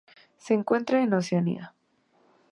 Se encuentran en Oceanía.